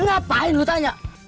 ngapain lu tanya